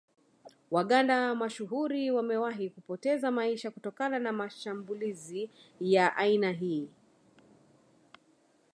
Waganda mashuhuri wamewahi kupoteza maisha kutokana na mashmbulizi ya aina hii